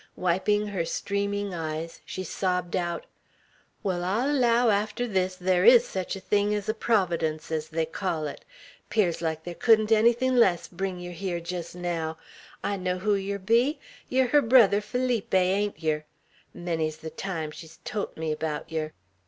Wiping her streaming eyes, she sobbed out: "Wall, I'll allow, arter this, thar is sech a thing ez a Providence, ez they call it. 'Pears like ther couldn't ennythin' less brung yer hyar jest naow. I know who yer be; ye're her brother Feeleepy, ain't yer? Menny's ther time she's tolt me about yer!